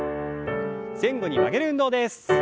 前後に曲げる運動です。